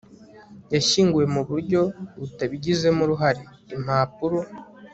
yashyinguwe muburyo butabigizemo uruhare, impapuro